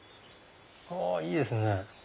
いいですね。